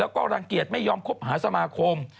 แล้วก็รังเกียจไม่ยอมคบหาสมาคม